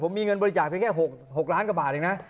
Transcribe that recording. ผมมีเงินบริจาคแค่๖ล้านกว่าบาทเองนะ